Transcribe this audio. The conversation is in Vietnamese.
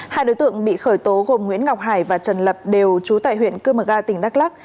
hai đối tượng bị khởi tố gồm nguyễn ngọc hải và trần lập đều trú tại huyện cương mực a tỉnh đắk lắk